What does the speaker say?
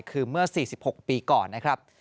คือเมื่อ๔๖ปีก่อนนะครับ